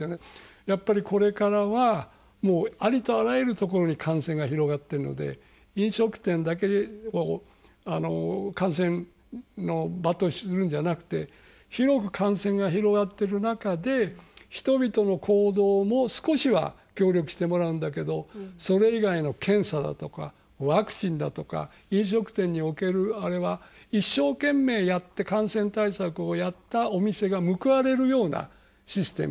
やっぱりこれからはありとあらゆるところに感染が広がってるので飲食店だけを感染の場とするんじゃなくて広く感染が広がってる中で人々の行動も少しは協力してもらうんだけどそれ以外の検査だとかワクチンだとか、飲食店におけるあれは一生懸命やって感染対策をやったお店が報われるようなシステム。